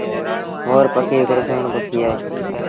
مور پکي هڪڙو سُهيٚڻون پکي اهي۔